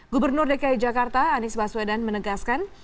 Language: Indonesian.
gubernur dki jakarta anies baswedan menegaskan